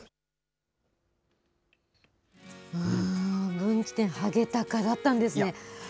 分岐点、ハゲタカだったんですね。